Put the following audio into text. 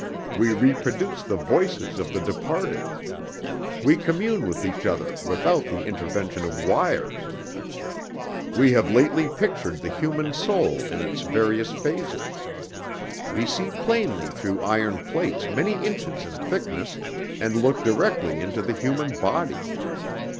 We reproduce the voices of the departed. We commune with each other without the intervention of wires. We have lately pictured the human soul in its various phases. We see plainly through iron plates many inches in thickness, and look directly into the human body.